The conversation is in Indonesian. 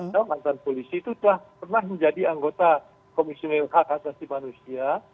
saya mantan polisi itu telah pernah menjadi anggota komisioner hak asasi manusia